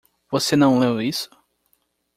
Você não leu isso?